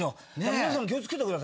皆さんも気を付けてくださいよ。